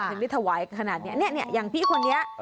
ถึงได้ถวายขนาดนี้เนี่ยอย่างพี่คนนี้